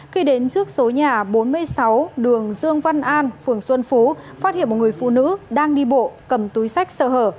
khi đến trước số nhà bốn mươi sáu đường dương văn an phường xuân phú phát hiện một người phụ nữ đang đi bộ cầm túi sách sợ hở